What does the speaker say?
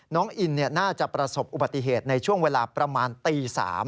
น้องอินน่าจะประสบอุบัติเหตุในช่วงเวลาประมาณตี๓